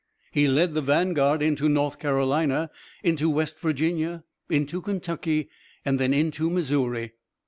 He led the vanguard into North Carolina, into West Virginia, into Kentucky, and then into Missouri.